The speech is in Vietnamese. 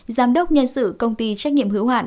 giám đốc nhân sự công ty trách nhiệm hữu hạn